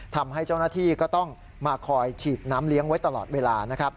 ทำให้เจ้าหน้าที่ก็ต้องมาคอยฉีดน้ำเลี้ยงไว้ตลอดเวลานะครับ